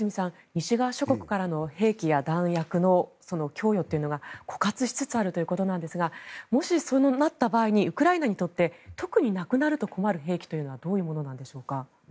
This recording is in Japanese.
西側諸国からの兵器や弾薬の供与というのが枯渇しつつあるということですがもしそうなった場合にウクライナにとって特になくなると困る兵器はどういうものなんでしょうか。